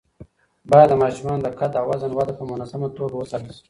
باید د ماشومانو د قد او وزن وده په منظمه توګه وڅارل شي.